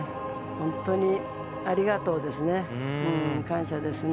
本当にありがとうですね。